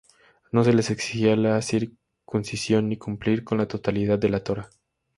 No se les exigía la circuncisión ni cumplir con la totalidad de la Torá.